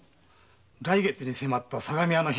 来月に迫った相模屋の返済は？